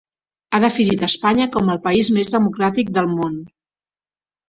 Ha definit Espanya com el país més democràtic del món.